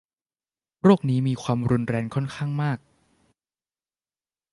โรคนี้มีความรุนแรงค่อนข้างมาก